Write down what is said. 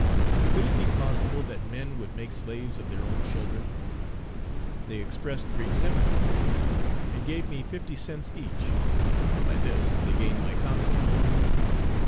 Could it be possible that men would make slaves of their own children? They expressed great sympathy for me, and gave me fifty cents each; by this they gained my confidence.